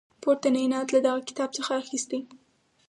پورتنی نعت له دغه کتاب څخه اخیستی.